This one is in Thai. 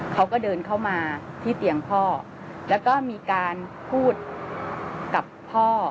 เขาก็เดินเข้ามาที่เตียงพ่อแล้วก็มีการพูดกับพ่อ